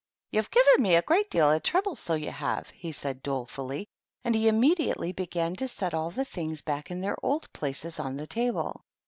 " You've given me a great deal of trouble, so you have," he said, dolefully; and he immedi ately began to set all the things back in their old places on the table.